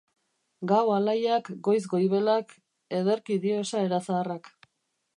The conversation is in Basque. Gau alaiak goiz goibelak... ederki dio esaera zaharrak.